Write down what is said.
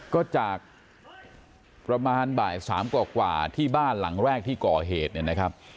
ก็จากประมาณบ่าย๓กว่าที่บ้านหลังแรกที่ก่อเหตุเนี่ยนะครับ